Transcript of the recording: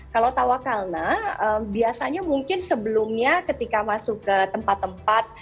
kalau tawakalna biasanya mungkin sebelumnya ketika masuk ke tempat tempat